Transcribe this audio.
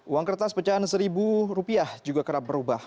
uang kertas pecahan rp satu juga kerap berubah